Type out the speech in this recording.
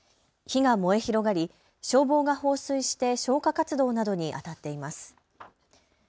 火が燃え広がり消防が放水して消火活動などにあたっています。